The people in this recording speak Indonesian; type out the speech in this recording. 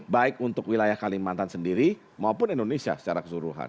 baik untuk wilayah kalimantan sendiri maupun indonesia secara keseluruhan